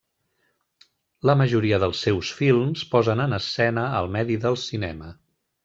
La majoria dels seus films posen en escena el medi del cinema.